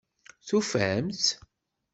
Tufam-tt?